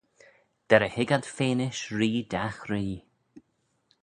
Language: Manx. Derrey hig ad fenish ree dagh ree.